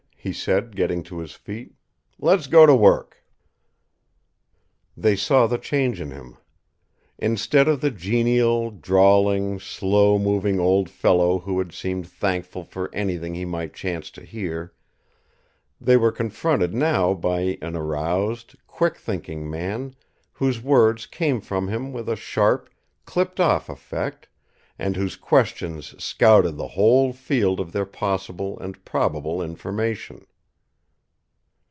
he said, getting to his feet. "Let's go to work." They saw the change in him. Instead of the genial, drawling, slow moving old fellow who had seemed thankful for anything he might chance to hear, they were confronted now by an aroused, quick thinking man whose words came from him with a sharp, clipped off effect, and whose questions scouted the whole field of their possible and probable information.